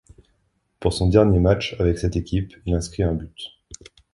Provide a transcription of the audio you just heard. Pour son dernier match avec cette équipe, il inscrit un but.